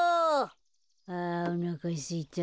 あおなかすいた。